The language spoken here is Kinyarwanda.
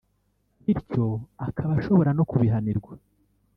bityo akaba ashobora no kubihanirwa